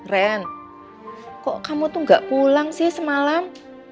ren kok kamu tuh gak pulang sih semalam